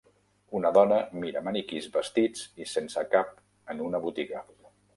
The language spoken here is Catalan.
Una dona mira maniquís vestits i sense cap en una botiga.